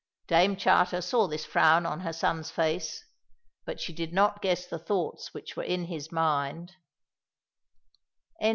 Dame Charter saw this frown on her son's face, but she did not guess the thoughts which were in his mind.